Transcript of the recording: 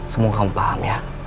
semoga kamu paham ya